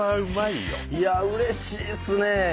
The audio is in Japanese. いやあうれしいっすね。